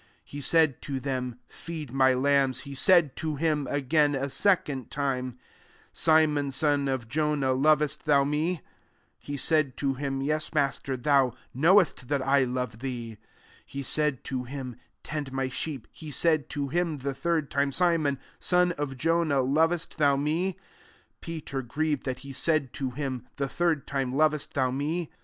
He said to hin^, " Feed my lambs." 16 He said to him again a second time ," Simon son of Jonah, lovest thou me f* He said to him, " Yes, Masten thou knowest that I love thee." He said to him, " Tend my sheep." 17 He said to him the third time, " Simon son of Jonah, lovest thou me ?" Peter grieved that he said to him the third time, " Lovest thoti me